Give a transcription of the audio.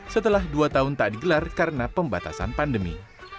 setelah dua tahun tak digelar karena pembatasan pandemi